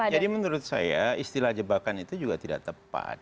jadi menurut saya istilah jebakan itu juga tidak tepat